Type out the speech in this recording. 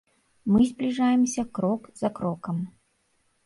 Мы збліжаемся крок за крокам.